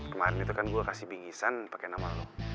kemarin itu kan gue kasih bingisan pakai nama lo